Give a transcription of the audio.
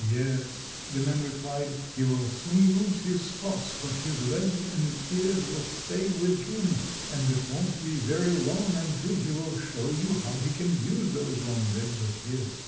"Yes," the man replied; "he will soon lose his spots, but his legs and ears will stay with him, and it won't be very long until he will show you how he can use those long legs of his."